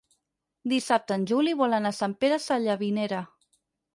Dissabte en Juli vol anar a Sant Pere Sallavinera.